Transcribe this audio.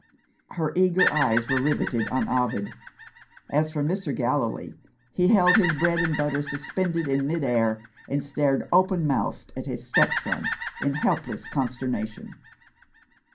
Her eager eyes were riveted on Ovid. As for Mr. Gallilee, he held his bread and butter suspended in mid air, and stared open mouthed at his stepson, in helpless consternation.